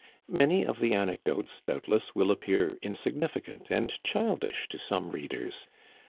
Many of the anecdotes, doubtless, will appear insig nificant and childish to some readers.